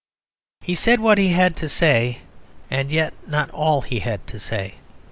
He said what he had to say, and yet not all he had to say.